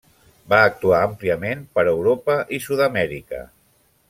Va actuar àmpliament per Europa i Sud-amèrica.